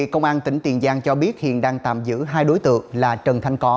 công an tỉnh tiền giang cho biết hiện đang tạm giữ hai đối tượng là trần thanh có